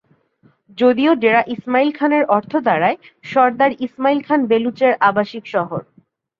যদিও ডেরা ইসমাইল খান এর অর্থ দাড়ায় সরদার ইসমাইল খান বেলুচ এর আবাসিক শহর।